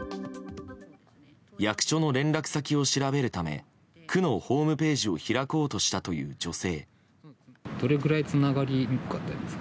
役所の連絡先を調べるため区のホームページを開こうとしたという女性。